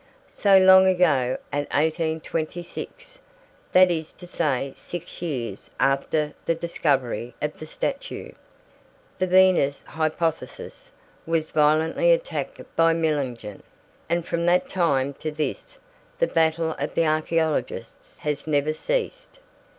So long ago as 1826, that is to say six years after the discovery of the statue, the Venus hypothesis was violently attacked by Millingen, and from that time to this the battle of the archaeologists has never ceased.